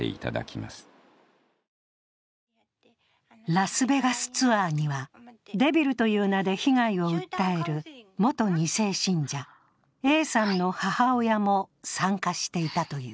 ラスベガスツアーには「デビル」という名で被害を訴える元２世信者・Ａさんの母親も参加していたという。